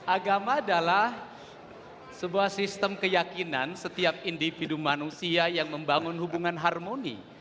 agama adalah sebuah sistem keyakinan setiap individu manusia yang membangun hubungan harmoni